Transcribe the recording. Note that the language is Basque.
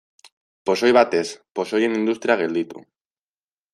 Pozoi bat ez, pozoien industria gelditu.